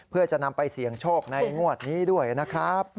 เพื่อจะนำไปเสี่ยงโชคในงวดนี้ด้วยนะครับ